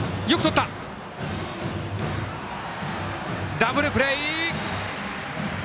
ダブルプレー！